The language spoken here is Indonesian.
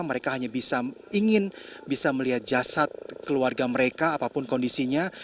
mereka hanya ingin bisa melihat jasad keluarga mereka apapun kondisinya